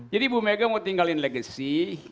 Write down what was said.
jadi ibu mega mau tinggalin legasi